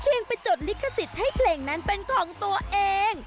ยังไปจดลิขสิทธิ์ให้เพลงนั้นเป็นของตัวเอง